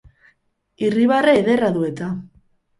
Irribarre ederra du eta!